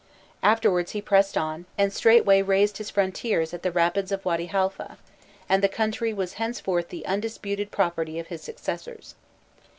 Afterwards he pressed on, and straightway "raised his frontiers" at the rapids of Wady Haifa; and the country was henceforth the undisputed property of his successors.